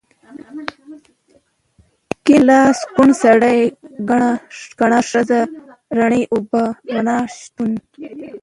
کيڼ لاس، کوڼ سړی، کڼه ښځه، رڼې اوبه، رڼا، شکوڼ